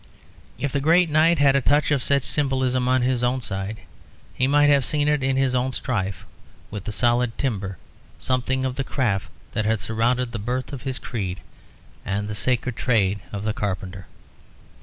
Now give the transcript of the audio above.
If the great knight had a touch of such symbolism on his own side, he might have seen in his own strife with the solid timber something of the craft that had surrounded the birth of his creed, and the sacred trade of the carpenter.